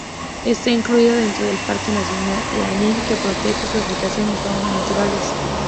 Está incluido dentro del Parque Nacional Lanín, que protege su vegetación y fauna naturales.